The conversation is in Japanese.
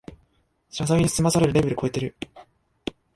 謝罪で済まされるレベルこえてる